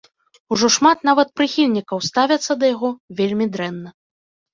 Ужо шмат нават прыхільнікаў ставяцца да яго вельмі дрэнна.